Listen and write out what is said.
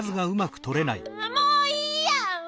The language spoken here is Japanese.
もういいや！